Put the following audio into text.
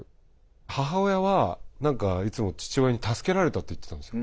母親は何かいつも父親に助けられたって言ってたんですよ。